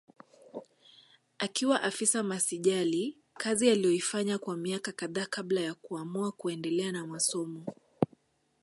Akiwa afisa masijali kazi aliyoifanya kwa miaka kadhaa kabla ya kuamua kuendelea na masomo